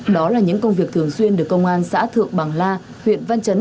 đó là những công việc thường xuyên được công an xã thượng bằng la huyện văn chấn